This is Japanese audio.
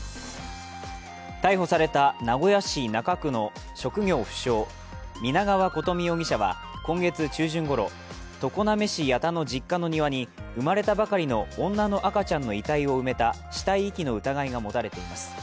逮捕された名古屋市中区の職業不詳・皆川琴美容疑者は今月中旬ごろ、常滑市矢田の実家の庭に生まれたばかりの女の赤ちゃんの遺体を埋めた死体遺棄の疑いが持たれています。